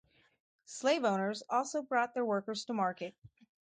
Slaveowners also brought their workers to market.